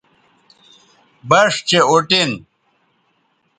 بَݜ چہء اُٹین